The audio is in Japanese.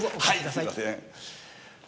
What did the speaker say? はいすいません。